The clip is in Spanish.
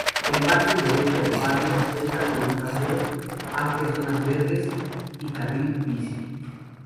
El margen derecho del barrio cuenta con un paseo, amplias zonas verdes y carril-bici.